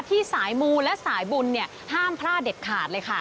ที่สายมูและสายบุญห้ามพลาดเด็ดขาดเลยค่ะ